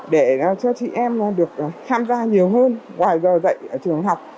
để cho chị em được tham gia nhiều hơn ngoài giờ dạy ở trường học